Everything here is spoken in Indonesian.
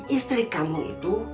istri kamu itu